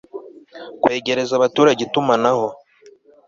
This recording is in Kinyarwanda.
Kwegereza abaturage itumanaho